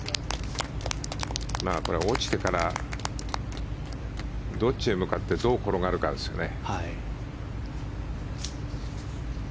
落ちてからどっちへ向かってどう転がるかですね。